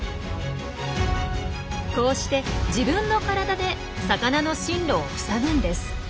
こうして自分の体で魚の進路を塞ぐんです。